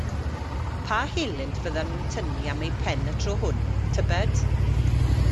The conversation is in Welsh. Pa helynt fyddan nhw'n tynnu am eu pen y tro hwn, tybed?